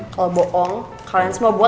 kalau bohong kalian semua bohong